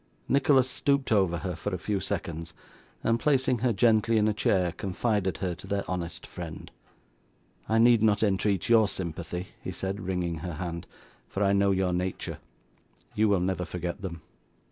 Nicholas stooped over her for a few seconds, and placing her gently in a chair, confided her to their honest friend. 'I need not entreat your sympathy,' he said, wringing her hand, 'for I know your nature. You will never forget them.